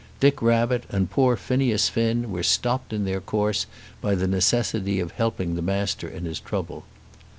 Dick Rabbit and poor Phineas Finn were stopped in their course by the necessity of helping the Master in his trouble.